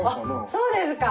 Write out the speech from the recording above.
そうですか。